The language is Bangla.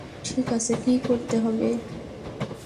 ঠিক আছে, কী করতে হবে।